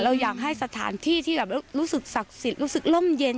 อยากให้สถานที่ที่แบบรู้สึกศักดิ์สิทธิ์รู้สึกร่มเย็น